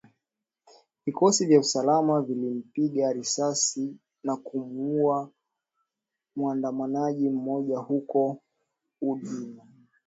Vikosi vya usalama vilimpiga risasi na kumuuwa muandamanaji mmoja huko Omdurman